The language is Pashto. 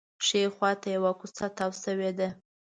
ښي خوا ته یوه کوڅه تاوه شوې ده.